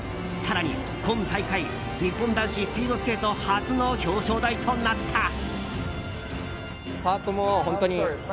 更に今大会日本男子スピードスケート初の表彰台となった。